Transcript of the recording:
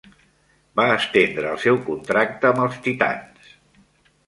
Va estendre el seu contracte amb els titans.